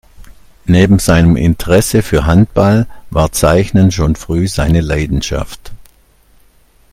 Neben seinem Interesse für Handball war Zeichnen schon früh seine Leidenschaft.